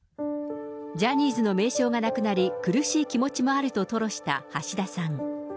ジャニーズの名称がなくなり、苦しい気持ちもあると吐露した橋田さん。